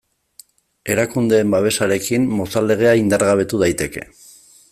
Erakundeen babesarekin Mozal Legea indargabetu daiteke.